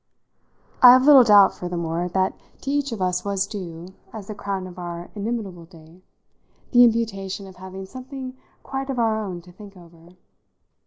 I have little doubt, furthermore, that to each of us was due, as the crown of our inimitable day, the imputation of having something quite of our own to think over.